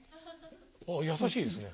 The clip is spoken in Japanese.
あぁ優しいですね。